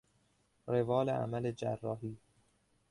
روال عمل جراحی